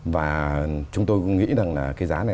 và chúng tôi nghĩ rằng là cái giá này